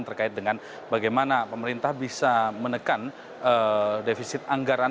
terkait dengan bagaimana pemerintah bisa menekan defisit anggaran